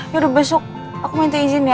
yaudah besok aku minta izin ya